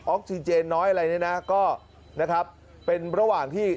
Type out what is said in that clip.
ออกซีเจนน้อยอะไรอย่างนี้นะก็เป็นระหว่างที่